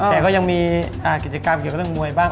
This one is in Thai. แต่ก็ยังมีกิจกรรมเกี่ยวกับเรื่องมวยบ้าง